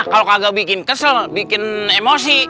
kalau kagak bikin kesel bikin emosi